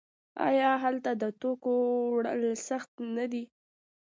آیا هلته د توکو وړل سخت نه دي؟